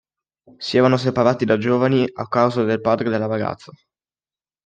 Si erano separati da giovani a causa del padre della ragazza.